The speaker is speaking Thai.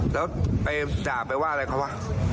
แล้วไปจะไปว้าอะไรเค้าวะ